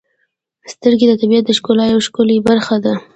• سترګې د طبیعت د ښکلا یو ښکلی برخه ده.